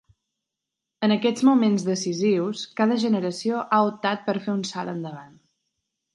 En aquests moments decisius, cada generació ha optat per fer un salt endavant.